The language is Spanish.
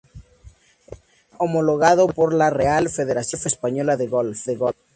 Está homologado por la Real Federación Española de Golf.